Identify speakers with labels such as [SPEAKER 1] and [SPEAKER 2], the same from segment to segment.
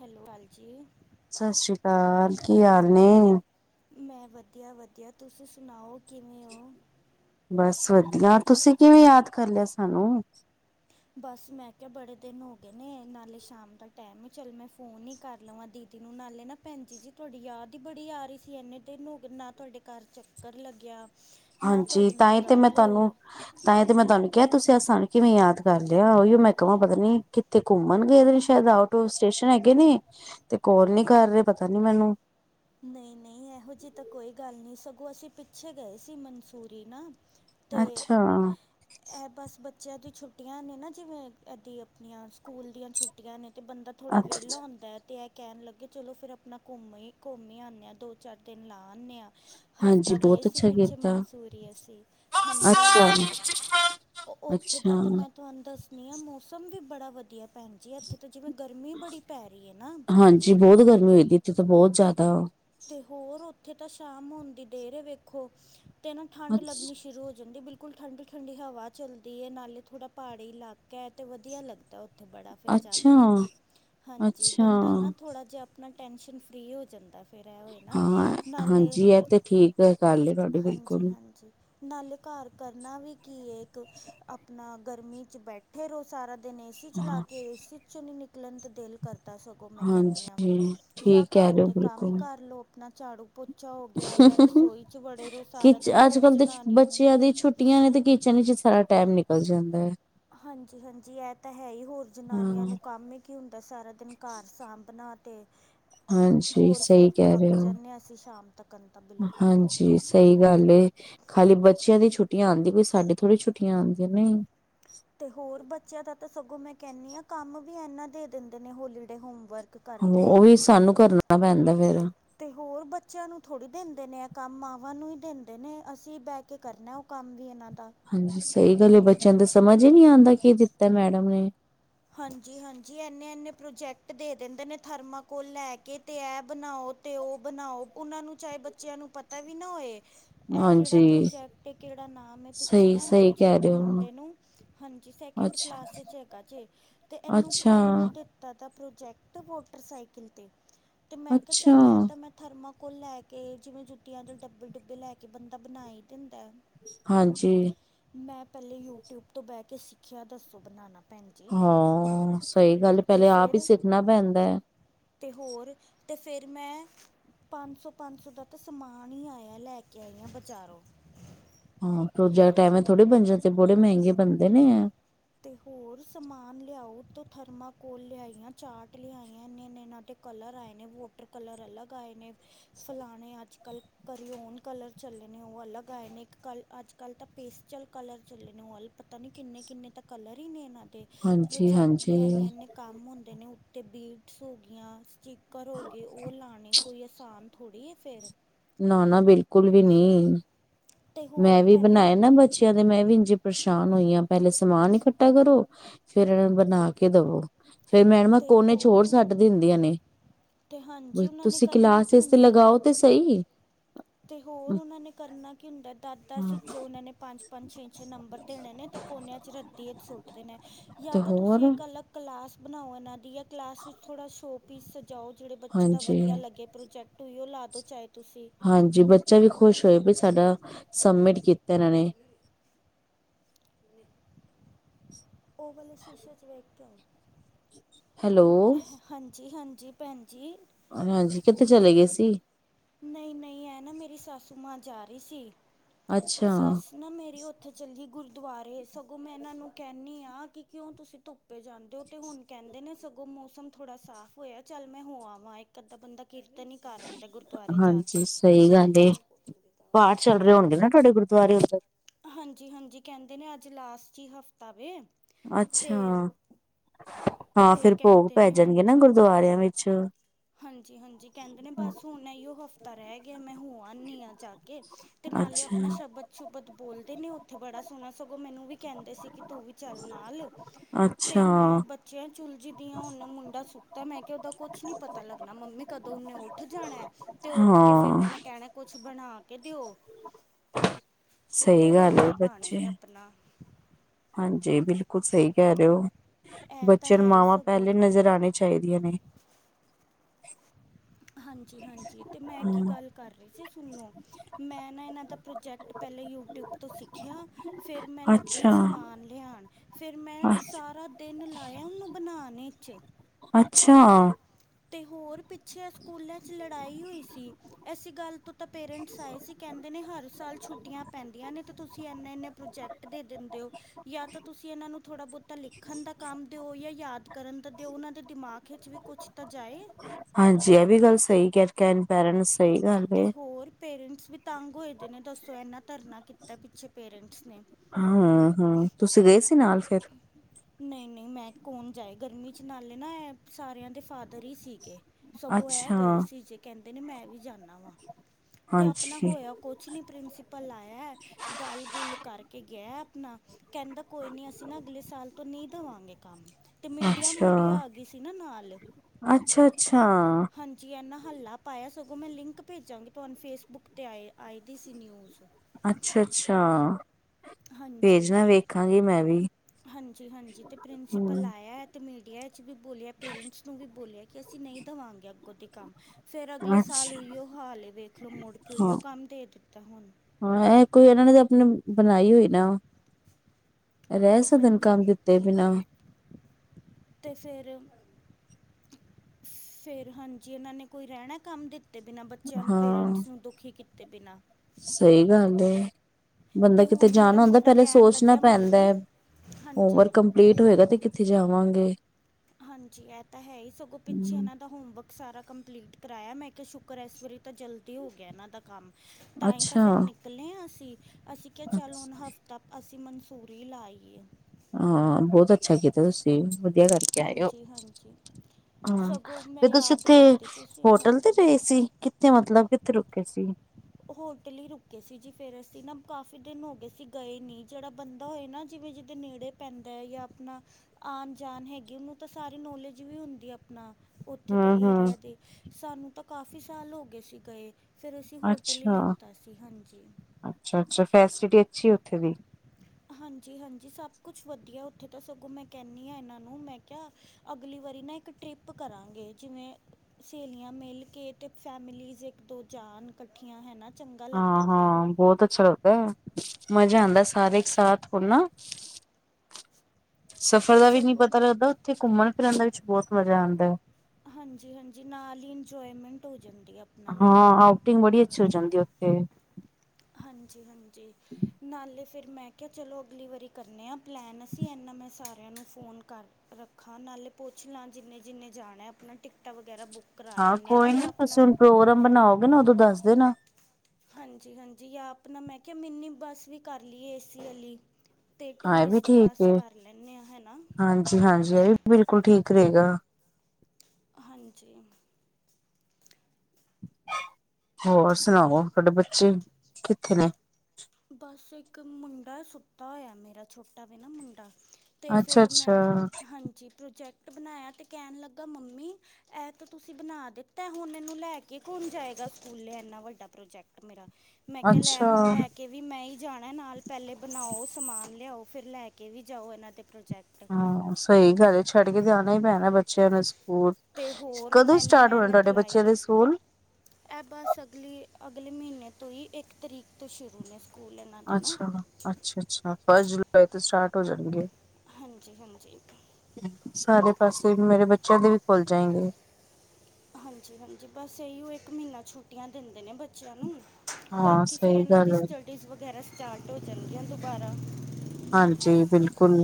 [SPEAKER 1] Hello [unintelligible] ਆਲ ਜੀ।
[SPEAKER 2] ਸਾਸ਼੍ਰੀ ਕਾਲ ਕੀ ਆਲ ਨੇ।
[SPEAKER 1] ਮੈਂ ਵਦੀਆ-ਵਦੀਆ ਤੁਸੀ ਸੁਨਾਓ ਕਿਵੇ ਓ।
[SPEAKER 2] ਬਾੱਸ ਵਦੀਆ ਤੁਸੀ ਕਿਵੇ ਯਾਦ ਕਾਰ ਲੇਆ ਸਾਨੂੰ।
[SPEAKER 1] ਬਾੱਸ ਮੈਂ ਕਯਾ ਬੜੇ ਦੇਨ ਓ ਗੇ ਨੇ ਨਾਲੇ ਸ਼ਾਮ ਦਾ ਟੈਮ ਏ ਚੱਲ ਮੈਂ ਫੋਨ ਈ ਕਾਰ ਲਵਾ ਦੀ ਦੀ ਨੂੰ ਨਾਲੇ ਨਾ ਪੈਨ ਜੀ-ਜੀ ਤੁਆਡੀ ਯਾਦ ਈ ਬੜੀ ਆ ਰੀ ਸੀ ਐਨੇ ਦੇਨ ਓਗੇ ਨੇ ਨਾ ਤੁਆਡੇ ਘਾੱਰ ਚ ਕਰ ਲੱਗੇਆ।
[SPEAKER 2] ਹਾਂਜੀ ਤਾ ਈ ਤੇ ਮੈਂ ਤਾਨੂੰ ਤਾ ਈ ਮੈਂ ਤੁਆਨੂੰ ਕੇਐ ਤੁਸੀ ਆੱਜ ਸਾਨੂੰ ਕਿਵੇ ਯਾਦ ਕਾਰ ਲੇਆ ਓਈ ਯੋ ਮੈਂ ਕਵਾ ਪਤਾ ਨੀ ਕਿੱਥੇ ਘੁੰਮਨ ਗਏ ਦੇ ਨੇ ਸ਼ਾਯਦ ਆਉ ਟੋਫ ਸਟੇਸ਼ਨ ਐਗੇ ਨੇ, ਤੇ ਕੋਲ ਨੀ ਕਾਰ ਰੇ ਪਤਾ ਨੀ ਮੈਨੂੰ
[SPEAKER 1] ਨਈ-ਨਈ ਐਹੋ ਜੀ ਤਾਂ ਕੋਈ ਗਾੱਲ ਨੀ ਸਗੋਂ ਅਸੀ ਪਿੱਛੇ ਗਏ ਸੀ ਮਨਸੂਰੀ ਨਾ ਤੇ
[SPEAKER 2] ਅੱਛਾ
[SPEAKER 1] ਐ ਬਾੱਸ ਬੱਚੇਆਂ ਦੀ ਛੁੱਟੀਆਂ ਨੇ ਨਾ ਜਿਵੇ ਐਦੀ ਅਪਨੀਆਂ ਸਕੂਲ ਦੀਆਂ ਛੁੱਟੀਆਂ ਨੇ ਤੇ ਬੰਦਾ ਥੋੜਾ
[SPEAKER 2] ਅੱਛਾ
[SPEAKER 1] ਵੇਲਾ ਓਂਦੈ ਤੇ ਐ ਕੈਨ ਲੱਗੇ ਚਲੋ ਫੇਰ ਅਪਨਾ ਘੁੱਮ ਆਈ ਘੋਮ ਈ ਆਨੇ ਆ ਦੋ-ਚਾਰ ਦੇਨ ਲਾ ਆਨੇ ਆ
[SPEAKER 2] ਹਾਂਜੀ
[SPEAKER 1] ਹਫਤਾ ਗਏ
[SPEAKER 2] ਬਹੁਤ
[SPEAKER 1] ਸੀ
[SPEAKER 2] ਅੱਛਾ
[SPEAKER 1] ਪਿੱਛੇ
[SPEAKER 2] ਕੀਤਾ
[SPEAKER 1] ਮਨਸੂਰੀ ਅਸੀ,
[SPEAKER 2] ਅੱਛਾ
[SPEAKER 1] ਹਾਂਜੀ-ਹਾਂਜੀ। ਓ ਓੱਥੇ
[SPEAKER 2] ਅੱਛਾ
[SPEAKER 1] ਦਾ ਤਾ ਮੈਂ ਤੁਆਨੂੰ ਦੱਸਨੀ ਆ ਮੌਸਮ ਵੀ ਬੜਾ ਵਦੀਐ ਪੈਨ ਜੀ ਐਥੇ ਤੇ ਜਿਵੇ ਗਰਮੀ ਬੜੀ ਪੈ ਰੀ ਏ ਨਾ
[SPEAKER 2] ਜੀ ਬੋਤ ਗਰਮੀ ਓਈਦੀ ਇੱਥੇ ਤਾ ਬੋਤ ਜਾਦਾ।
[SPEAKER 1] ਤੇ ਹੋਰ ਓਥੇ ਤਾ ਸ਼ਾਮ ਹੋਨ ਦੀ ਦੇਰ ਏ ਵੇਖੋ, ਤੇ ਨਾ ਠਾੱਢ
[SPEAKER 2] ਅੱਛ
[SPEAKER 1] ਲੱਗਨੀ ਸ਼ੁਰੂ ਓ ਜੱਨਦੀ ਏ ਬਿਲ ਕੁਲ ਠੰਡੀ-ਠੰਡੀ ਹਵਾ ਚੱਲਦੀ ਏ ਨਾਲੇ ਥੋੜਾ ਪਾੜੀ ਇਲਾਕੈ ਤੇ ਵਦੀਆ ਲੱਗਦੈ ਓ ਥੇ ਬੜਾ ਫੇਰ ਜਾ
[SPEAKER 2] ਅੱਛਾ
[SPEAKER 1] ਕੇ ਨਾ, ਹਾਂਜੀ ਬੰਦਾ
[SPEAKER 2] ਅੱਛਾ
[SPEAKER 1] ਨਾ ਥੋੜਾ ਜਯਾ ਅਪਨੲ ਟੈਂਸ਼ਨ ਫਰੀ ਓ ਜੱਨਦੈ ਫੇਰ ਐ ਓਏ ਨਾ, ਨਾਲੇ
[SPEAKER 2] ਐਤੇ ਠੀਕ ਏ ਗਾੱਲ
[SPEAKER 1] ਹਾਂਜੀ-ਹਾਂਜੀ। ਨਾਲੇ ਘਾੱਰ ਕਰਨਾ ਵੀ ਕੀ ਏ ਏਕ ਅਪਨਾ ਗਰਮੀ ਚ ਬੈਠੇ ਰੋ ਸਾਰਾ ਦੇਨ ਏਸੀ ਚਲਾ
[SPEAKER 2] ਹਾਂ
[SPEAKER 1] ਕੇ ਏਸੀ ਚੋ ਨੀ ਨਿਕਲਨ ਤੇ ਦੇਲ ਕਰਦਾ ਸਗੋ ਮੈਂ ਕੈਨੀ ਆ
[SPEAKER 2] ਹਾਂਜੀ
[SPEAKER 1] ਯਾ
[SPEAKER 2] ਠੀਕ ਕਹਿ
[SPEAKER 1] ਘਾੱਰ
[SPEAKER 2] ਰਹੇ ਹੋ
[SPEAKER 1] ਦੇ ਕਾੱਮ
[SPEAKER 2] ਬਿਲਕੁਲ
[SPEAKER 1] ਕਾਰ ਲੋ ਅਪਨਾ ਚਾੜੂ ਪੋਚਾ ਓ ਗਯਾ ਯਾ ਰਸੋਈ 'ਚ ਵੜੇ ਰਹੋ ਸਾਰਾ
[SPEAKER 2] ਕਿਚ
[SPEAKER 1] ਦਿਨ ਹੋਰ
[SPEAKER 2] ਆੱਜ-ਕਾੱਲ ਦੇ
[SPEAKER 1] ਜਨਾਨੀਆਂ ਨੂੰ
[SPEAKER 2] ਬੱਚੇਆ ਦੀ ਛੁੱਟੀਆਂ ਨੇ ਤੇ ਕਿਚਨ ਇਚ ਸਾਰਾ ਟੈਮ ਨਿਕਲ ਜਾਂਦੈ।
[SPEAKER 1] ਹਾਂਜੀ-ਹਾਂਜੀ ਐ ਤਾ ਹੈ ਈ ਹੋਰ ਜਨਾਨੀਆਂ
[SPEAKER 2] ਹਾਂ
[SPEAKER 1] ਨੂੰ ਕਾੱਮ ਈ ਕੀ ਉਂਦੈ ਸਾਰਾ ਦਿਨ ਘਾੱਰ ਸਾੱਬਨਾ ਤੇ
[SPEAKER 2] ਹਾਂਜੀ
[SPEAKER 1] ਹੋਰ
[SPEAKER 2] ਸਹੀ
[SPEAKER 1] ਫੇਰ
[SPEAKER 2] ਕਹਿ ਰਹੇ
[SPEAKER 1] ਥੱਕ
[SPEAKER 2] ਹੋ
[SPEAKER 1] ਜਾਨੇ ਆ ਅਸੀ ਸ਼ਾਮ ਤੱਕਨ ਤਾ-
[SPEAKER 2] ਹਾਂਜੀ ਸਹੀ ਗੱਲ ਏ, ਖਾਲੀ ਬੱਚਿਆਂ ਦੀ ਛੁੱਟੀਆਂ ਆਂਦੀ ਪੀ, ਸਾਡੀ ਥੋੜ੍ਹੀ ਛੁੱਟੀਆਂ ਆਂਦੀਆਂ ਨਹੀਂ।
[SPEAKER 1] ਤੇ ਹੋਰ ਬੱਚਿਆਂ ਦਾ ਤਾਂ ਸਗੋਂ ਮੈਂ ਕਹਿੰਦੀ ਹਾਂ ਕੰਮ ਵੀ ਇਨਾ ਦੇ ਦਿੰਦੇ ਨੇ ਹੋਲੀਡੇ ਹੋਮਵਰਕ।
[SPEAKER 2] ਹੋ
[SPEAKER 1] ਕਰਕੇ
[SPEAKER 2] ਉਹ ਵੀ ਸਾਨੂੰ ਕਰਨਾ ਪੈਂਦਾ ਫੇਰ।
[SPEAKER 1] ਤੇ ਹੋਰ, ਬੱਚਿਆਂ ਨੂੰ ਥੋੜ੍ਹੀ ਦਿੰਦੇ ਨੇ ਆ ਕੰਮ, ਮਾਵਾਂ ਨੂੰ ਹੀ ਦਿੰ ਨੇ ਅਸੀਂ ਬਹਿ ਕੇ ਕਰਨਾ ਉਹ ਕੰਮ ਵੀ ਇਹਨਾਂ ਦਾ।
[SPEAKER 2] ਹਾਂਜੀ, ਸਹੀ ਗੱਲ ਐ, ਬੱਚਿਆਂ ਦਾ ਸਮਝ ਹੀ ਨਹੀਂ ਆਂਦਾ ਕੀ ਦਿੱਤਾ ਮੈਡਮ ਨੇ।
[SPEAKER 1] ਹਾਂਜੀ-ਹਾਂਜੀ, ਇੰਨੇ ਇੰਨੇ ਪ੍ਰੋਜੈਕਟ ਦੇ ਦਿੰਦੇ ਨੇ, ਥਰਮਾ ਕੋਲ ਲੈ ਕੇ ਤੇ ਇਹ ਬਣਾਓ ਤੇ ਉਹ ਬਣਾਓ, ਉਹਨਾਂ ਨੂੰ ਚਾਹੇ ਬੱਚਿਆਂ ਨੂੰ ਪਤਾ ਵੀ ਨਾ ਹੋਏ। ਇਹ ਕਿਹੜਾ
[SPEAKER 2] ਹਾਂਜੀ
[SPEAKER 1] ਪ੍ਰੋਜੈਕਟ ਐ, ਕਿਹੜਾ ਨਾਮ ਐ, ਪਿੱਛੇ
[SPEAKER 2] ਸਹੀ
[SPEAKER 1] ਨਾ ਮੇਰੇ
[SPEAKER 2] ਸਹੀ ਕਹਿ
[SPEAKER 1] ਛੋਟੇ
[SPEAKER 2] ਰਹੇ ਹੋ
[SPEAKER 1] ਮੁੰਡੇ ਨੂੰ ਹਾਂਜੀ, ਸੈਕਿੰਡ
[SPEAKER 2] ਅੱਛਾ
[SPEAKER 1] ਕਲਾਸ ਹੈਗਾ ਜੇ। ਤੇ ਇਹਨੂੰ
[SPEAKER 2] ਅੱਛਾ,
[SPEAKER 1] ਇਹਨੂੰ ਦਿੱਤਾ ਤਾ ਪ੍ਰੋਜੈਕਟ ਮੋਟਰ ਸਾਈਕਲ ਤੇ। ਤੇ ਮੈਂ ਕਿਹਾ
[SPEAKER 2] ਅੱਛਾ
[SPEAKER 1] ਚੱਲ ਆ ਤਾਂ ਮੈਂ ਥਰਮਾਕੋਲ ਲੈ ਕੇ ਜਿਵੇਂ ਜੁੱਤੀਆਂ ਦੇ ਡੱਬੇ ਡੁੱਬੇ ਲੈ ਕੇ ਬੰਦਾ ਬਣਾ ਈ ਦਿੰਦਾ।
[SPEAKER 2] ਹਾਂਜੀ।
[SPEAKER 1] ਮੈਂ ਪਹਿਲੇ ਯੂਟਿਊਬ ਤੋਂ ਬਹਿ ਕੇ ਸਿੱਖਿਆ ਦੱਸੋ ਬਨਾਨਾ।
[SPEAKER 2] ਹਾਂ, ਸਹੀ ਗੱਲ ਐ,
[SPEAKER 1] ਤੇ
[SPEAKER 2] ਪਹਿਲੇ ਆਪ ਹੀ
[SPEAKER 1] ਫਿਰ
[SPEAKER 2] ਸਿੱਖਣਾ ਪੈਂਦਾ ਐ।
[SPEAKER 1] ਤੇ ਹੋਰ, ਤੇ ਫੇਰ ਮੈ ਪੰਜ ਸੌ ਪੰਜ ਸੌ ਦਾ ਤਾਂ ਸਮਾਨ ਹੀ ਆਇਆ, ਲੈ ਕੇ ਆਈ ਹਾਂ ਵਿਚਾਰੋ।
[SPEAKER 2] ਹਾਂ, ਪ੍ਰੋਜੈਕਟ ਐਵੇਂ ਥੋੜੇ ਬਣ ਜਾਂਦੇ ਬੜੇ ਮਹਿੰਗੇ ਬਣਦੇ ਨੇ ਐ।
[SPEAKER 1] ਤੇ ਹੋਰ ਸਮਾਨ ਲਿਆਓ ਤੋਂ ਥਰਮਾਕੋਲ ਲਿਆਈਆਂ, ਚਾਰਟ ਲਿਆਈਆਂ ਇੰਨੇ ਇਨਾਂ ਕਲਰ ਆਏ ਨੇ ਵੋਟਰ ਕਲਰ ਅਲੱਗ ਆਏ ਨੇ ਫਲਾਣੇ ਅੱਜ ਕੱਲ੍ਹ ਕਰਿਓਨ ਕਲਰ ਚੱਲੇ ਨੇ ਉਹ ਅਲੱਗ ਆਏ ਨੇ, ਇੱਕ ਕੱਲ੍ਹ ਅੱਜ ਕੱਲ੍ਹ ਤਾਂ ਪੇਸਚਲ ਕਲਰ ਚੱਲੇ ਨੇ ਉਹ ਅਲਗ ਪਤਾ ਨਹੀਂ ਕਿੰਨੇ ਕਿੰਨੇ ਤਾਂ ਕਲਰ ਹੀ ਨੇ ਇਹਨਾਂ ਦੇ,
[SPEAKER 2] ਹਾਂਜੀ
[SPEAKER 1] ਪ੍ਰੋਜੈਕਟ
[SPEAKER 2] ਹਾਂਜੀ
[SPEAKER 1] ਦੇ ਇੰਨੇ ਇੰਨੇ ਕੰਮ ਹੁੰਦੇ ਨੇ, ਉੱਤੇ ਬੀਡਸ ਹੋ ਗਈਆਂ, ਸਟੀਕਰ ਹੋ ਗਏ ਉਹ ਲਾਣੇ ਕੋਈ ਅਸਾਨ ਥੋੜ੍ਹੀ ਐ ਫੇਰ।
[SPEAKER 2] ਨਾ ਨਾ ਬਿਲਕੁਲ ਵੀ ਨਹੀਂ,
[SPEAKER 1] ਅਤੇ ਹੋਰ
[SPEAKER 2] ਮੈਂ ਵੀ
[SPEAKER 1] ਪਹਿਲੇ
[SPEAKER 2] ਬਣਾਏ ਨਾ ਬ ਚਿਆਂ ਦੇ ਮੈਂ ਵੀ ਇੰਝੇ ਪਰੇਸ਼ਾਨ ਹੋਈ ਹਾਂ ਪਹਿਲੇ ਸਮਾਨ ਹੀ ਇਕੱਠਾ ਕਰੋ ਫੇਰ ਇਹਨਾਂ ਨੂੰ ਬਣਾ ਕੇ ਦਵੋ, ਫੇਰ ਮੈਂਣਮਾ
[SPEAKER 1] ਅਤੇ
[SPEAKER 2] ਕੋਨੇ ਛੋਰ
[SPEAKER 1] ਹੋਰ
[SPEAKER 2] ਛੱਡ ਦਿੰਦੀਆਂ ਨੇ।
[SPEAKER 1] ਅਤੇ ਹਾਂਜੀ ਉਹਨਾਂ ਨੇ
[SPEAKER 2] ਤੁਸੀਂ
[SPEAKER 1] ਕਰਨਾ ਕੀ
[SPEAKER 2] ਕਲਾਸਿਸ ਤੇ ਲਗਾਓ ਤੇ ਸਹੀ।
[SPEAKER 1] ਤੇ ਹੋਰ ਉਹਨਾਂ ਨੇ ਕਰਨਾ ਕੀ ਹੁੰਦਾ, ਦਸ ਦਸ
[SPEAKER 2] ਹਾਂ,
[SPEAKER 1] ਈ ਚੋਂ ਉਹ ਨੇ ਪੰਜ ਪੰਜ ਛੇ ਛੇ ਨੰਬਰ ਦੇਣੇ ਨੇ, ਤੇ ਕੋਨਿਆਂ ਚ ਰੱਦੀ ਸੁੱਟਦੇਨੇ ਜਾਂ
[SPEAKER 2] ਤੇ
[SPEAKER 1] ਤਾਂ ਤੁਸੀਂ
[SPEAKER 2] ਹੋਰ
[SPEAKER 1] ਇੱਕ ਅਲੱਗ ਕਲਾਸ ਬਣਾਓ ਇਹਨਾਂ ਦੀ ਯਾ ਕਲਾਸ ਵਿੱਚ ਥੋੜ੍ਹਾ ਸ਼ੋਅ ਪੀਸ ਜਾਓ ਜਿਹੜੇ ਬੱਚੇ ਦਾ
[SPEAKER 2] ਹਾਂਜੀ
[SPEAKER 1] ਵਧੀਆ ਲੱਗੇ ਪ੍ਰੋਜੈਕਟ ਓਹਿਯੋ ਲਾ ਦਿਉ ਚਾਹੇ ਤੁਸੀਂ।
[SPEAKER 2] ਹਾਂਜੀ, ਬੱਚਾ ਵੀ ਖੁਸ਼ ਹੋਏ ਵੀ ਸਾਡਾ ਸਬਮਿਟ ਕੀਤਾ ਇਹਨਾਂ ਨੇ।
[SPEAKER 1] ਉਹ ਵਾਲੇ ਸ਼ੀਸ਼ੇ ਚ ਵੇਖ [unintelligible]
[SPEAKER 2] ਹੈਲੋ।
[SPEAKER 1] ਹਾਂਜੀ-ਹਾਂਜੀ, ਪੈਣ ਜੀ।
[SPEAKER 2] ਹਾਂਜੀ, ਕਿੱਥੇ ਚਲੇ ਗਏ ਸੀ।
[SPEAKER 1] ਨਹੀਂ-ਨਹੀਂ, ਇਹ ਨਾ ਮੇਰੀ ਸਸੂ ਮਾਂ ਜਾ ਰਹੀ ਸੀ।
[SPEAKER 2] ਅੱਛਾ।
[SPEAKER 1] ਸੱਸ ਨਾ ਮੇਰੀ ਉੱਥੇ ਚੱਲੀ ਗੁਰਦੁਆਰੇ, ਸਗੋਂ ਮੈਂ ਇਹਨਾਂ ਨੂੰ ਕਹਿੰਦੀ ਹਾਂ ਕਿ ਕਿਉਂ ਤੁਸੀਂ ਧੁੱਪ ਪੇ ਜਾਂਦੇ ਹੋ ਤੇ ਹੁਣ ਕਹਿੰਦੇ ਨੇ ਸਗੋਂ ਮੌਸਮ ਥੋੜਾ ਸਾਫ਼ ਹੋਇਆ, ਚੱਲ ਮੈਂ ਹੋ ਆਵਾਂ ਇੱਕ ਅੱਧਾ ਬੰਦਾ ਕੀਰਤਨ ਈ ਕਰ ਆਂਦਾ ਐ, ਗੁਰ
[SPEAKER 2] ਹਾਂਜੀ ਸਹੀ ਗੱਲ ਏ, ਪਾਠ ਚੱਲ ਰਹੇ ਹੋਣਗੇ ਨਾ ਤੁਹਾਡੇ ਗੁਰਦੁਆਰੇ ਉੱਧਰ?
[SPEAKER 1] ਹਾਂਜੀ-ਹਾਂਜੀ, ਕਹਿੰਦੇ ਨੇ ਅੱਜ ਲਾਸਟ ਹੀ ਹਫ਼ਤਾ ਵੇ। ਤੇ
[SPEAKER 2] ਅੱਛਾ, ਹਾਂ
[SPEAKER 1] ਤੇ
[SPEAKER 2] ਫੇਰ ਭੋਗ
[SPEAKER 1] ਕਹਿੰਦੇ
[SPEAKER 2] ਪੈ
[SPEAKER 1] ਨੇ
[SPEAKER 2] ਜਾਨਗੇ ਨਾ,
[SPEAKER 1] ਹਾਂਜੀ
[SPEAKER 2] ਗੁਰਦੁਆਰੇਆਂ ਵਿੱਚ
[SPEAKER 1] ਹਾਂਜੀ- ਹਾਂਜੀ ਕਹਿੰਦੇ ਨੇ, ਬਸ ਹੁਨ ਏਈੳ ਹਫ਼ਤਾ ਰੇਅ ਗੇਆ, ਮੈਂ ਹੋ ਆਨੀ ਆਂ ਜਾ ਕੇ। ਕੇ ਤੇ ਨਾਲੇ ਆਪਨਾ
[SPEAKER 2] ਅੱਛਾ
[SPEAKER 1] ਸ਼ਬਦ ਸ਼ੁਬਤ ਬੋਲਦੇ ਨੇ, ਉੱਥੇ ਬੜਾ ਸੋਹਨਾ, ਸਗੋਂ ਮੈਨੂੰ ਵੀ ਕਹਿੰਦੇ ਸੀ ਕਿ ਤੂੰ ਵੀ ਚੱਲ ਨਾਲ, ਤੇ
[SPEAKER 2] ਅੱਛਾ
[SPEAKER 1] ਮੈਂ ਬਚ ਬੱਚੇਆਂ ਚ ਉਲਝੀ ਦੀਆਂ ਹੁਨੇ, ਮੁੰਡਾ ਸੁੱਤਾ ਮੈਂ ਕੇਆ ਉਦਾ ਕੁਛ ਨੀ ਪਤਾ ਲੱਗਨਾ, ਮੰਮੀ ਕਦੋਂ ਉਨੇ ਉੱਠ ਜਾਨਾਂ ਤੇ ਉੱਠ ਕੇ ਫੇਰ
[SPEAKER 2] ਹਾਂ
[SPEAKER 1] ਉਨੇ ਕਹਿਨਾ। ਕੁਛ ਬਨਾ ਕੇ ਦੇਓ,
[SPEAKER 2] ਸਹੀ
[SPEAKER 1] ਤੇ
[SPEAKER 2] ਗੱਲ ਹੈ
[SPEAKER 1] ਰੌਲੇ ਪਾਨੇ
[SPEAKER 2] ਬੱਚੇ
[SPEAKER 1] ਨੇ ਆਪਨਾ।
[SPEAKER 2] ਹਾਂਜੀ, ਬਿਲਕੁਲ ਸਹੀ ਕੇਅ ਰੇਅ ਹੋ,
[SPEAKER 1] ਇਹ ਤਾਂ
[SPEAKER 2] ਬੱਚੇਆਂ ਨੂੰ
[SPEAKER 1] ਹੈ ਹੀ
[SPEAKER 2] ਮਾਵਾਂ
[SPEAKER 1] ਸਗੋਂ
[SPEAKER 2] ਪਹਿਲੇ ਨਜ਼ਰ ਆਨੇ ਚਾਹੀਦੀਆਂ ਨੇ।
[SPEAKER 1] [inaudible] ਹਾਂਜੀ- ਹਾਂਜੀ ਤੇ ਮੈਂ ਕੀ
[SPEAKER 2] ਹੂੰ,
[SPEAKER 1] ਗੱਲ ਕਰ ਰਹੀ ਸੀ, ਸੁਣੋ ਮੈਂ ਨਾ ਇਨਾਂ ਦਾ ਪ੍ਰੋਜੈਕਟ ਪਹਿਲੇ ਯੂ ਟਿਊਬ ਤੋਂ ਸਿੱਖਿਆ, ਫੇਰ ਮੈਂ ਲੱਗੀ ਆਂ,
[SPEAKER 2] ਅੱਛਾ
[SPEAKER 1] ਸਮਾਨ ਲਿਆਨ। ਫੇਰ ਮੈਂ ਸਾਰਾ ਦਿਨ ਲਾਏਆ, ਉਨੂੰ ਬਨਾਨ ਵਿਚ।
[SPEAKER 2] ਅੱਛਾ।
[SPEAKER 1] ਤੇ ਹੋਰ ਪਿੱਛੇ ਏ ਸਕੂਲਾਂ ਚ ਲੜਾਈ ਹੋਈ ਸੀ, ਐਸੀ ਗੱਲ ਤੋਂ ਤਾਂ ਪੇਰੈਂਟਸ ਆਏ ਸੀ। ਕਹਿੰਦੇ ਨੇ ਹਰ ਸਾਲ ਛੁੱਟੀਆਂ ਪੈਂਦੀਆਂ ਨੇ, ਤਾਂ ਤੁਸੀਂ ਇੰਨੇ-ਇੰਨੇ ਪ੍ਰੋਜੈਕਟ ਦੇ ਦਿੰਦੇ ਹੋ। ਜਾਂ, ਤਾਂ ਤੁਸੀਂ ਇਨਾਂ ਨੂੰ ਥੋੜ੍ਹਾ ਬੋਹਤ। ਤਾਂ ਲਿਖਨ ਦਾ ਕੰਮ ਦੇਓ, ਜਾਂ ਯਾਦ ਕਰਨ ਦਾ ਦੇਓ, ਉਨਾਂ ਦੇ ਦਿਮਾਗ ਵਿੱਚ ਵੀ ਕੁਛ ਤਾਂ ਜਾਏ।
[SPEAKER 2] ਹਾਂਜੀ, ਇਹ ਵੀ ਗੱਲ ਸਹੀ ਕਰ ਕੇ ਆਏ ਨੇ, ਪੈਰੈਂਸ ਸਹੀ ਗੱਲ। ਏ
[SPEAKER 1] ਤੇ ਹੋਰ ਪੇਰੈਂਸ ਵੀ ਤੰਗ ਹੋਏ ਦੇ ਨੇ, ਦੱਸੋ ਇਨਾਂ ਧਰਨਾ ਕੀਤਾ ਪਿੱਛੇ ਪੇਰੈਂਸ ਨੇ।
[SPEAKER 2] ਹਾਂ- ਹਾਂ, ਤੁਸੀਂ ਗਏ ਸੀ ਨਾਲ ਫੇਰ।
[SPEAKER 1] ਨਈ -ਨਈ ਮੈਂ ਕੌਨ ਜਾਏ, ਗਰਮੀ ਚ ਨਾਲੇ ਨਾ ਸਾਰੇਆਂ ਦੇ ਫਾਦਰ ਹੀ ਸੀਗੇ। ਸਗੋਂ ਐ
[SPEAKER 2] ਅੱਛਾ
[SPEAKER 1] ਗਏ ਸੀ, ਜੇ ਕਹਿੰਦੇ ਨੇ ਮੈਂ ਵੀ ਜਾਂਨਾ ਵਾ, ਤੇ ਆਪਨਾ
[SPEAKER 2] ਹਾਂਜੀ
[SPEAKER 1] ਹੋ ਆਓ। ਕੁਛ ਨੀ ਪ੍ਰਿੰਸੀਪਲ ਆਏਆ, ਗੱਲ- ਗੁੱਲ ਕਰਕੇ ਗੇਆ, ਆਪਨਾ ਕਹਿੰਦਾ ਕੋਈ ਨਹੀਂ ਅਸੀਂ ਨਾ ਅਗਲੇ ਸਾਲ ਤੋਂ ਨੀ ਦੇਵਾਂਗੇ ਕੰਮ। ਤੇ
[SPEAKER 2] ਅੱਛਾ
[SPEAKER 1] ਮੀਡੀਆ-ਮੂਡੀਆ ਆ ਗਈ ਸੀ ਨਾ ਨਾਲ।
[SPEAKER 2] ਅੱਛਾ, ਅੱਛਾ।
[SPEAKER 1] ਕਿ ਏਨਾ ਹੱਲਾ ਪਾਏਆ, ਸਗੋਂ ਮੈਂ ਲਿੰਕ ਭੇਜਾਂਗੀ। ਤੁਹਾਨੂੰ ਫੇਸਬੁੱਕ 'ਤੇ ਆਏ-ਆਈ ਦੀ ਸੀ ਨਿਊਜ਼।
[SPEAKER 2] ਅੱਛਾ, ਅੱਛਾ। ਭੇਜਣਾ ਵੇਖਾਂਗੀ ਮੈਂ ਵੀ
[SPEAKER 1] ਹਾਂਜੀ-ਹਾਂਜੀ ਤੇ ਪ੍ਰਿੰਸੀਪਲ
[SPEAKER 2] ਹੂੰ
[SPEAKER 1] ਆਏਆ, ਤੇ ਮੀਡੀਆ ਵਿੱਚ ਬੋਲੇਆ ਪੇਰੈਂਟਸ ਨੂੰ ਵੀ ਬੋਲੇਆ। ਕਿ ਅਸੀਂ ਨਹੀਂ ਦੇਵਾਂਗੇ, ਅੱਗੋਂ ਦੀ ਕੰਮ। ਫੇਰ ਅਗਲੇ ਸਾਲ
[SPEAKER 2] ਅੱਛਾ
[SPEAKER 1] ਉਹੀਓ, ਹਾਲ ਏ ਵੇਖ ਲਓ, ਮੁੜ ਕੇ ਉਹੀਓ
[SPEAKER 2] ਹਾਂ
[SPEAKER 1] ਕੰਮ ਦੇ ਦਿੱਤਾ ਹੁਨ।
[SPEAKER 2] ਹਾਂ, ਏ ਕੋਈ ਇਨਾਂ ਨੇ ਆਪਨੇ ਅਮ ਬਨਾਈ ਹੋਈ ਨਾ ਰੇਅ ਸਕਦੇ,
[SPEAKER 1] ਹਾਂਜੀ
[SPEAKER 2] ਕੰਮ ਦਿੱਤੇ ਬਿਨਾਂ।
[SPEAKER 1] ਤੇ ਫੇਰ ਫੇਰ, ਹਾਂਜੀ ਇਨਾਂ ਨੇ ਕੋਈ ਰਹਿਨਾ ਕੰਮ ਦਿੱਤ ਤੇ ਬਿਨਾਂ ਬੱਚੇਆਂ ਨੂੰ,
[SPEAKER 2] ਹਾਂ
[SPEAKER 1] ਪੇਰੈਂਟਸ ਨੂੰ ਦੁਖੀ ਕੀਤੇ ਬਿਨਾਂ।
[SPEAKER 2] ਸਹੀ ਗੱਲ ਏ। ਬੰਦਾ
[SPEAKER 1] ਤੇ
[SPEAKER 2] ਕਿਤੇ
[SPEAKER 1] ਹੁਣ ਮੇਰਾ
[SPEAKER 2] ਜਾਨਾ ਹੁੰਦਾ,
[SPEAKER 1] ਮੁੰਡਾ
[SPEAKER 2] ਪਹਿਲੇ
[SPEAKER 1] ਕਹਿਣ
[SPEAKER 2] ਸੋਚਨਾ
[SPEAKER 1] ਲੱਗਿਆ
[SPEAKER 2] ਪੈਂਦਾ ਏ।
[SPEAKER 1] ਮੰਮੀ ਹਾਂਜੀ
[SPEAKER 2] ਹੋਮਵਰਕ ਕੰਪ ਪਲੀਟ ਹੋਏਗਾ, ਤੇ ਕਿੱਥੇ ਜਾਵਾਂਗੇ।
[SPEAKER 1] ਹਾਂਜੀ, ਇਹ ਤਾਂ ਹੈ ਹੀ ਸਗੋਂ ਪਿੱਛੇ ਇਨਾਂ ਦਾ ਹੋਮਵਰਕ ਸਾਰਾ ਕੰਪਲੀਟ ਕਰਾਏਆ। ਮੈਂ ਕੇਆ ਸ਼ੁਕਰ ਇਸ ਵਾਰੀ ਤਾਂ ਜਲ ਦੀ ਹੋ ਗੇਆ, ਇਨਾਂ ਦਾ ਕੰਮ ਤਾਂ ਹੀ ਤਾਂ
[SPEAKER 2] ਅੱਛਾ
[SPEAKER 1] ਫੇਰ ਨਿਕਲੇ ਆਂ। ਅਸੀਂ-ਅਸੀਂ ਕੇਆ ਚੱਲ ਹੁਨ ਹ ਤਾਂ, ਅਸੀਂ ਮਨਸੂਰੀ ਲਾਈਏ।
[SPEAKER 2] ਆਂ, ਬਹੁਤ ਅੱ ਅੱਛਾ ਕੀਤਾ, ਤੁਸੀਂ ਵਧੀਆ ਕਰਕੇ ਆਏ ਓ,
[SPEAKER 1] ਹਾਂਜੀ ਹਾਂਜੀ
[SPEAKER 2] ਹਾਂ
[SPEAKER 1] ਸਗੋਂ
[SPEAKER 2] ਫੇਰ
[SPEAKER 1] ਮੈਂ
[SPEAKER 2] ਤੁਸੀਂ
[SPEAKER 1] ਯਾਦ
[SPEAKER 2] ਉਥੇ।
[SPEAKER 1] ਕਰਦੀ ਪਈ ਸੀ
[SPEAKER 2] ਹੋਟਲ ਤੇ
[SPEAKER 1] ਹਾਂਜੀ
[SPEAKER 2] ਰਏ ਸੀ ਕਿੱਥੇ ਮਤਲਬ ਕਿੱਥੇ ਰੁਕੇ ਸੀ।
[SPEAKER 1] ਹੋਟਲ ਈ ਰੁਕੇ ਸੀ ਜੀ ਫਿਰ ਅਸੀਂ ਨਾ ਕਾਫੀ ਦਿਨ ਹੋ ਗਏ ਅਸੀਂ ਗਏ ਨਈ ਜੇੜਾ ਬੰਦਾ ਹੋਏ ਨਾ ਜਿਵੇਂ ਜੀ ਦੇ ਨੇੜੇ ਪੈਂਦਾ ਹੈ ਜਾਂ ਆਪਣਾ ਆਣ ਜਾਣ ਹੈਗੀ ਉਨੂੰ ਤਾਂ ਸਾਰੀ ਨੌਲੇਜ ਵੀ ਹੁੰਦੀ ਆਪਣਾ ਉੱਥੇ ਦੇ
[SPEAKER 2] ਹਮ ਹਮ
[SPEAKER 1] ਏਰੀਆ ਦੇ ਸਾਨੂੰ ਤਾਂ ਕਾਫੀ ਸਾਲ ਹੋ ਗਏ ਅਸੀਂ ਗਏ ਫਿਰ ਅਸੀਂ ਹੋਟ
[SPEAKER 2] ਅੱਛਾ
[SPEAKER 1] ਲਿੱਤਾ ਸੀ ਹਾਂਜੀ।
[SPEAKER 2] ਅੱਛਾ ਅੱਛਾ ਫੈਸਿਲਿਟੀ ਅੱਛੀ ਉੱਥੇ ਦੀ
[SPEAKER 1] ਹਾਂਜੀ-ਹਾਂਜੀ ਸਭ ਕੁਛ ਵਧੀਆ ਉੱਥੇ ਤਾਂ ਸਗੋਂ ਮੈਂ ਕੈਂਣੀ ਆਂ ਇਨਾਂ ਨੂੰ ਮੈਂ ਕਿਆ ਅਗਲੀ ਵਰੀ ਨਾ ਇੱਕ ਟਰਿਪ ਕਰਾਂਗੇ ਜਿਵੇਂ ਸਹੇਲੀਆਂ ਮਿਲ ਕੇ ਤੇ ਫੈਮਲੀਜ਼ ਇੱਕ ਦੋ ਜਾਨ ਕੱਠੀਆਂ ਹਨਾ।
[SPEAKER 2] ਹਾਂ-ਹਾਂ ਬੋਤ ਅੱਛਾ ਲਗਦਾ। ਮਜ਼ਾ ਆਂਦਾ ਸਾਰੇ ਇੱਕ ਸਾਥ ਹੋਨ ਨਾ। ਸਫ਼ਰ
[SPEAKER 1] ਤੇ
[SPEAKER 2] ਦਾ ਵੀ ਨਈ
[SPEAKER 1] ਸਗੋਂ
[SPEAKER 2] ਪਤਾ ਲੱਗਦਾ ਉੱਥੇ ਘੁੰਮਣ ਫਿਰਨ ਦਾ ਵਿੱਚ ਬੋਤ ਮਜ਼ਾ ਆਂਦਾ ਐ।
[SPEAKER 1] ਹਾਂਜੀ-ਹਾਂਜੀ ਨਾਲ ਈ ਇੰਜੋਏਮੈਂਟ ਹੋ ਜਾਂਦੀ ਐ।
[SPEAKER 2] ਹਾਂ ਆਊਟਿੰਗ ਬੜੀ ਅੱਛੀ ਹੋ ਜਾਂਦੀ ਉੱਤੇ
[SPEAKER 1] ਹਾਂਜੀ-ਹਾਂਜੀ ਨਾਲੇ ਫਿਰ ਮੈਂ ਕਿਆ ਚਲੋ ਅਗਲੀ ਵਾਰੀ ਕਰਨੇ ਹਾਂ ਪਲੈਨ ਅਸੀਂ ਇੰਨਾ ਮੈਂ ਸਾਰਿਆਂ ਨੂੰ ਫੋਨ ਕਰ ਰੱਖਾਂ ਨਾਲੇ ਪੁੱਛ ਲਾਂ ਜਿੰਨੇ-ਜਿੰਨੇ ਜਾਣਾ ਆਪਣਾ ਟਿਕਟਾਂ ਵਗੈਰਾ ਬੁੱਕ ਕਰਾ
[SPEAKER 2] ਹਾਂ
[SPEAKER 1] ਲੈਂਦੇ ਨਾ
[SPEAKER 2] ਕੋਈ ਨੀ
[SPEAKER 1] ਜਾਂ
[SPEAKER 2] ਤੁਸੀਂ
[SPEAKER 1] ਆਪਣਾ
[SPEAKER 2] ਹੁਣ ਪ੍ਰੋਗਰਾਮ ਬਣਾਓਗੇ ਨਾ ਉਦੋਂ ਦੱਸਦੇ ਨਾ।
[SPEAKER 1] ਹਾਂਜੀ-ਹਾਂਜੀ ਜਾਂ ਆਪਾ ਨ ਮੈਂ ਕਿਆ ਮਿੰਨੀ ਬੱਸ ਵੀ ਕਰ ਲਈਏ ਏਸੀ ਅਲੀ ਤੇ
[SPEAKER 2] ਹਾਂ ਇਹ ਵੀ
[SPEAKER 1] ਟੂਰਿਸਟ ਬਸ ਕਰ ਲੈਂਣੇ ਆਂ ਹਨਾ।
[SPEAKER 2] ਜੀ ਹਾਂਜੀ ਏ ਵੀ ਬਿਲਕੁਲ ਠੀਕ ਰਏਗਾ।
[SPEAKER 1] ਹਾਂਜੀ
[SPEAKER 2] ਹੋਰ ਸੁਣਾਓ ਤੁਹਾਡੇ ਬੱਚੇ ਕਿੱਥੇ ਨੇ।
[SPEAKER 1] ਬਸ ਇੱਕ ਮੁੰਡਾ ਸੁੱਤਾ ਹੋਇਆ ਮੇਰਾ ਛੋਟਾ ਵੀ ਨਾ ਮੁੰਡਾ ਤੇ
[SPEAKER 2] ਅੱਛਾ
[SPEAKER 1] ਫਿਰ ਮੈਂ
[SPEAKER 2] ਅੱਛਾ
[SPEAKER 1] ਹਾਂਜੀ ਪ੍ਰੋਜੈਕਟ ਬਣਾਇਆ ਅਤੇ ਕੈਂਣ ਲੱਗਾ ਮੰਮੀ ਐ ਤਾਂ ਤੁਸੀਂ ਬਣਾ ਦਿੱਤਾ ਹੁਣ ਇਨੂੰ ਲੈ ਕੇ ਕੌਣ ਜਾਏਗਾ ਸਕੂਲ ਇੰਨਾ ਵੱਡਾ ਪ੍ਰੋਜੈਕਟ ਮੇਰਾ ਮੈਂ ਕਿਆ ਲੈ
[SPEAKER 2] ਅੱਛਾ
[SPEAKER 1] ਹੁਣ ਲੈ ਕਿ ਵੀ ਮੈਂ ਈ ਜਾਣਾ ਨਾਲ ਪੈਲੇ ਬਣਾਓ ਸਮਾਨ ਲਿਆਓ ਫਿਰ ਲੈ ਕੇ ਵੀ ਜਾਓ ਇਨਾਂ ਦੇ ਪ੍ਰੋਜੈਕਟ
[SPEAKER 2] ਹਾਂ ਸਈ ਗੱਲ ਛੱਡ ਕੇ ਤੇ ਜਾਣਾ ਹੀ ਪੈਣਾ ਬੱਚਿਆਂ ਨੂੰ ਹੋਰ
[SPEAKER 1] ਤੇ ਹੋਰ ਹੁਣ
[SPEAKER 2] ਕਦੋਂ ਸਟਾਰਟ ਹੋਣੇ ਤੁਹਾਡੇ ਬੱਚਿਆਂ ਦੇ ਸਕੂਲ
[SPEAKER 1] ਐ ਬੱਸ ਅਗਲੀ ਅਗਲੇ ਮ੍ਹੀਨੇ ਤੋਂ ਹੀ ਇੱਕ ਤਰੀਕ ਤੋਂ ਸ਼ੁਰੂ ਨੇ। ਸਕੂਲ ਇਹਨਾਂ ਦੇ ਨਾ
[SPEAKER 2] ਅੱਛਾ-ਅੱਛਾ-ਅੱਛਾ ਫਸਟ ਜੁਲਾਈ ਤੋਂ ਸਟਾਰਟ ਹੋ ਜਾਣਗੇ।
[SPEAKER 1] ਹਾਂਜੀ-ਹਾਂਜੀ ਇੱਕ
[SPEAKER 2] ਸਾਰੇ ਪਾਸੇ ਮੇਰੇ ਬੱਚਿਆਂ ਦੇ ਵੀ ਖੁਲ ਜਾਏਗੇ।
[SPEAKER 1] ਹਾਂਜੀ-ਹਾਂਜੀ ਬਸ ਇਹੀਓ ਇੱਕ ਮ੍ਹੀਨਾ ਛੁੱਟੀਆਂ ਦਿੰਦੇ ਨੇ ਬੱਚਿਆਂ ਨੂੰ
[SPEAKER 2] ਹਾਂ
[SPEAKER 1] ਬਾਕੀ ਫਿਰ
[SPEAKER 2] ਸਹੀ
[SPEAKER 1] ਇਹਨਾਂ
[SPEAKER 2] ਗੱਲ
[SPEAKER 1] ਦੀ
[SPEAKER 2] ਹੈ
[SPEAKER 1] ਸਟੱਡੀਜ਼ ਵਗੈਰਾ ਸਟਾਰਟ ਹੋ ਜਾਣਗੀਆਂ ਦੁਬਾਰਾ
[SPEAKER 2] ਹਾਂਜੀ ਬਿਲਕੁਲ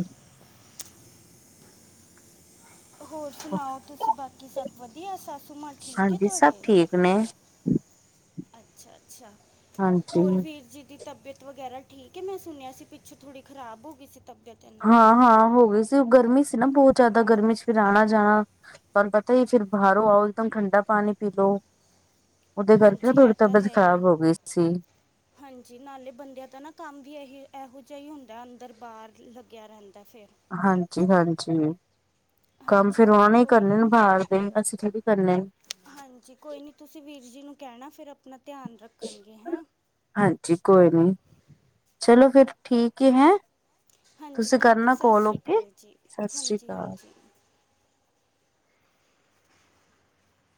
[SPEAKER 1] ਹੋਰ ਸੁਣਾਓ ਤੁਸੀਂ ਬਾਕੀ ਸਭ ਵਧੀਆ ਸੱਸੂ ਮਾਂ ਠੀਕ ਐ
[SPEAKER 2] ਹਾਂਜੀ ਸਭ
[SPEAKER 1] ਤੁਹਾਡੇ
[SPEAKER 2] ਠੀਕ ਨੇ
[SPEAKER 1] ਅੱਛਾ-ਅੱਛਾ
[SPEAKER 2] ਹਾਂਜੀ।
[SPEAKER 1] ਹੋਰ ਵੀਰ ਜੀ ਦੀ ਤਬੀਅਤ ਵਗੈਰਾ ਠੀਕ ਏ ਮੈਂ ਸੁਣਿਆ ਸੀ ਪਿੱਛੇ ਥੋੜ੍ਹੀ ਖਰਾਬ ਹੋ ਗਈ ਸੀ ਤਬੀਅਤ ਇਹਨਾਂ ਦੀ
[SPEAKER 2] ਹਾਂ-ਹਾਂ ਹੋ ਗਈ ਸੀ ਓ ਗਰਮੀ ਸੀ ਨਾ ਬੋਤ ਜਾਦਾ ਗਰਮੀ 'ਚ ਫਿਰ ਆਣਾ ਜਾਣਾ। ਪਰ ਪਤਾ ਈ ਫਿਰ ਬਾਰੋਂ ਆਓ ਇੱਕਦਮ ਠੰਡਾ ਪਾਣੀ ਪੀ ਲੋ। ਉਦੇ ਕਰਕੇ ਨਾ
[SPEAKER 1] ਹਾਂਜੀ ਇਹ
[SPEAKER 2] ਥੋੜੀ
[SPEAKER 1] ਤਾਂ
[SPEAKER 2] ਤਬੀਅਤ
[SPEAKER 1] ਹੈ ਹੀ
[SPEAKER 2] ਖ਼ਰਾਬ ਹੋ ਗਈ ਸੀ।
[SPEAKER 1] ਹਾਂਜੀ ਨਾਲੇ ਬੰਦਿਆਂ ਤਾਂ ਨਾ ਕੰਮ ਵੀ ਇਹੀ ਇਹੋ ਜਿਹਾ ਹੀ ਹੁੰਦਾ ਅੰਦਰ ਬਾਰ ਲੱਗਿਆ ਰੈਂਦਾ ਫਿਰ
[SPEAKER 2] ਹਾਂਜੀ-ਹਾਂਜੀ ਕੱਮ
[SPEAKER 1] ਹਾਂਜੀ
[SPEAKER 2] ਫੇਰ ੳਹਨਾ
[SPEAKER 1] ਹਾਂਜੀ
[SPEAKER 2] ਨੇ
[SPEAKER 1] ਕੋਈ
[SPEAKER 2] ਕਰਨੇ
[SPEAKER 1] ਨਹੀਂ
[SPEAKER 2] ਬਾਰ ਦੇ, ਅਸੀਂ ਥੋੜੀ ਕਰਨੇ।
[SPEAKER 1] ਹਾਂਜੀ ਕੋਈ ਨੀ ਤੁਸੀਂ ਵੀਰ ਜੀ ਨੂੰ ਕੈਣਾ ਫੇਰ ਆਪਣਾ ਧੇਆਨ ਰੱਖਣਗੇ ਹੈਂ।
[SPEAKER 2] ਹਾਂਜੀ ਕੋਈ ਨਣੀ, ਚਲੋ ਫਿਰ ਠੀਕ ਏ ਹੈ।
[SPEAKER 1] ਹਾਂਜੀ
[SPEAKER 2] ਤੁਸੀਂ
[SPEAKER 1] ਠੀਕ ਹੈ
[SPEAKER 2] ਕਰਨਾ
[SPEAKER 1] ਸਤਿ
[SPEAKER 2] ਕੋਲ
[SPEAKER 1] ਸ਼੍ਰੀ
[SPEAKER 2] ਓਕੇ,
[SPEAKER 1] ਅਕਾਲ ਜੀ
[SPEAKER 2] ਸਸ੍ਰੀ
[SPEAKER 1] ਹਾਂਜੀ
[SPEAKER 2] ਕਾਲ।
[SPEAKER 1] ਹਾਂਜੀ